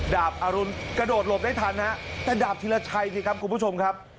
ดาบอรุณกระโดดหลบได้ทันฮะแต่ดาบธิรชัยสิครับคุณผู้ชมครับ